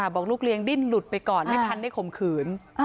บอกลูกเลี้ยงดิ้นหลุดไปก่อนไม่ทันได้ข่มขืน